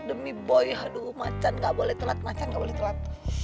demi boy aduh macan gak boleh telat macan gak boleh telat